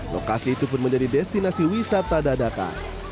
lokasi itu pun menjadi destinasi wisata dadata